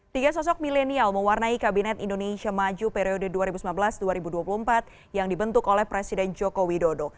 tiga sosok milenial mewarnai kabinet indonesia maju periode dua ribu sembilan belas dua ribu dua puluh empat yang dibentuk oleh presiden joko widodo